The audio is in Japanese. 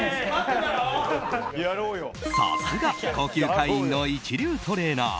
さすが高級会員の一流トレーナー。